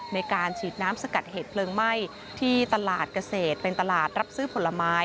ในการฉีดน้ำสกัดเหตุเพลิงไหม้ที่ตลาดเกษตรเป็นตลาดรับซื้อผลไม้